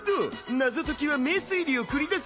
なぞトキは名推理を繰り出す